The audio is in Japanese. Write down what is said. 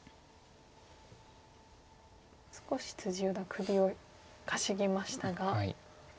少し四段首をかしげましたが。